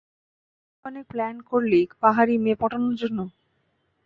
কাল পর্যন্ত তো অনেক প্লান করলি পাহাড়ি মেয়ে পটানোর জন্য?